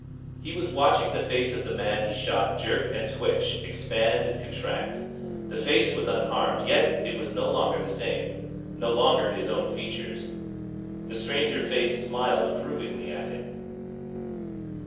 He was watching the face of the man he shot jerk and twitch, expand and contract. The face was unharmed, yet it was no longer the same. No longer his own features. The stranger face smiled approvingly at him.